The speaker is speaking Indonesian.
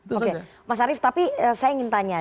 oke mas arief tapi saya ingin tanya